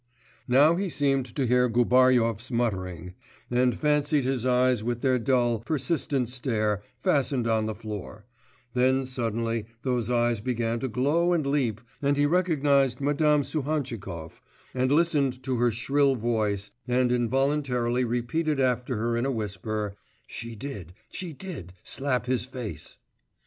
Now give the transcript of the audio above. Now he seemed to hear Gubaryov's muttering, and fancied his eyes with their dull, persistent stare fastened on the floor; then suddenly those eyes began to glow and leap, and he recognised Madame Suhantchikov, and listened to her shrill voice, and involuntarily repeated after her in a whisper, 'she did, she did, slap his face.